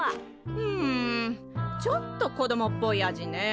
うんちょっと子供っぽい味ねえ。